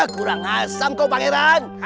kurang asam kau pangeran